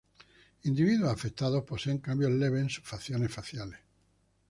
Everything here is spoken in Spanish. Individuos afectados poseen cambios leves en sus facciones faciales.